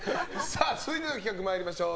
続いての企画参りましょう。